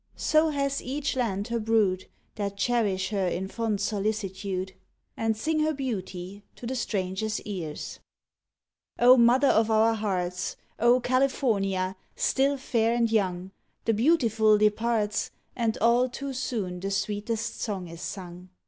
So has each land her brood That cherish her in fond solicitude, And sing her beauty to the stranger s ears. O mother of our hearts ! O California, still fair and young! The beautiful departs, And all too soon the sweetest song is sung.